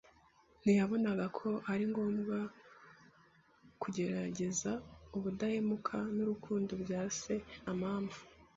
Ntiyabonaga ko ari ngombwa kugerageza ubudahemuka n’urukundo bya Se nta mpamvu,